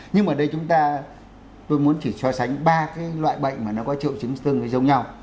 nhưng mà ở đây chúng ta tôi muốn chỉ so sánh ba cái loại bệnh mà nó có triệu chứng tương với giống nhau